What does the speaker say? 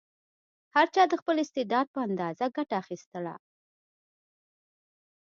هر چا د خپل استعداد په اندازه ګټه اخیستله.